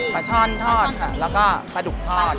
ปลาช่อนทอดค่ะแล้วก็ปลาดุกทอด